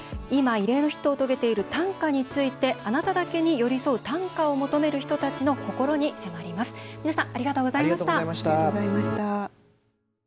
今、異例のヒットを遂げている短歌について、あなただけに寄り添う短歌を求める人たちの心に迫ります。